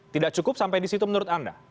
tidak cukup sampai di situ menurut anda